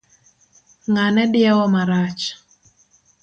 Ng'ane diewo marach.